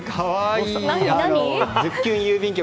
ズッキュン郵便局